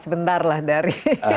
sebentar lah dari